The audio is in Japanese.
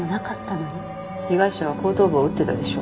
被害者は後頭部を打ってたでしょ？